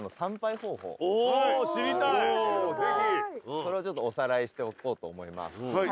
それをちょっとおさらいしておこうと思います。